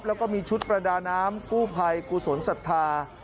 แล้วก็มีชุดประดาน้ำกู้ภัยกุศลศรัทธา